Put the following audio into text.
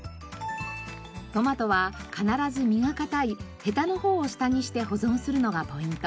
トマトは必ず実が硬いヘタの方を下にして保存するのがポイント。